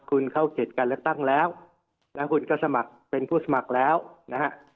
คุณเข้าเขตการเลือกตั้งแล้วแล้วคุณก็สมัครเป็นผู้สมัครแล้วนะฮะ